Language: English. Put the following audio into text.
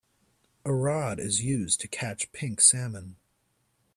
A rod is used to catch pink salmon.